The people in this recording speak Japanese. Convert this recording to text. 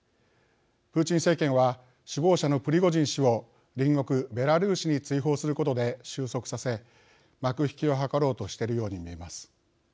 プーチン政権は首謀者のプリゴジン氏を隣国ベラルーシに追放することで収束させ幕引きを図ろうとしているように見えます。